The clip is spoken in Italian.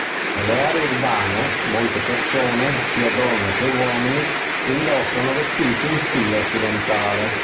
Nelle aree urbane, molte persone, sia donne che uomini, indossano vestiti in stile occidentale.